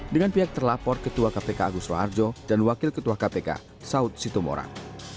dengan pihak terlapor ketua kpk agus raharjo dan wakil ketua kpk saud situmorang